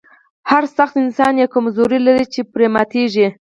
هر سخت انسان یوه کمزوري لري چې پرې ماتیږي